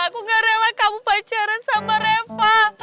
aku gak rela kamu pacaran sama reva